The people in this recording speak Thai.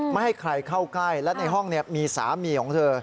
ไม่ให้ใครเข้าใกล้และในห้องมีสามีของเธอ